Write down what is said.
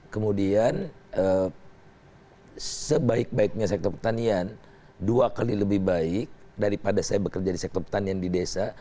kemudian sebaik baiknya sektor pertanian dua kali lebih baik daripada saya bekerja di sektor pertanian di desa